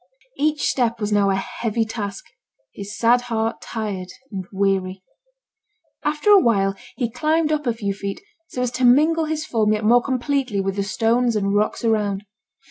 Each step was now a heavy task, his sad heart tired and weary. After a while he climbed up a few feet, so as to mingle his form yet more completely with the stones and rocks around.